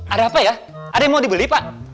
ada apa ya ada yang mau dibeli pak